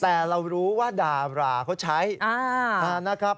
แต่เรารู้ว่าดาราเขาใช้นะครับ